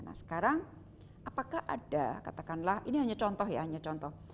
nah sekarang apakah ada katakanlah ini hanya contoh ya hanya contoh